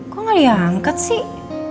kok gak diangkat sih